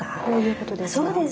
こういうことですか？